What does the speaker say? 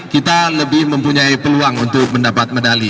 kita lebih mempunyai peluang untuk mendapat medali